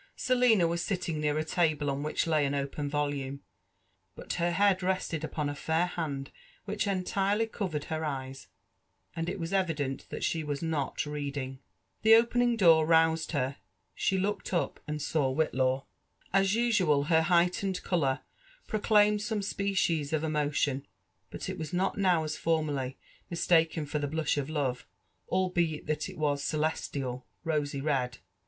Selina was sitting near a table on which layan open volume ; but her head rested upon a fair hand which entirely coi^ered her eyes, and it wa0 evident that she was not reading. The opening door roused her : she looked up and saw Whitlaw. As usual, her heightened colour prodaimed some species of emotioo ; but it was not now, as formerly, mistaken few the blush gf love, albeit that it was ''celestial, rosy red.''